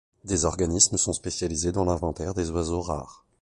Des organismes sont spécialisés dans l'inventaire des oiseaux rares.